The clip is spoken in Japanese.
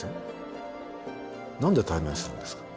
何で対面するんですか？